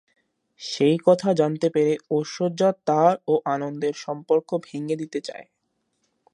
সেই কথা জানতে পেরে ঐশ্বর্যা তার ও আনন্দের সম্পর্ক ভেঙে দিতে চায়।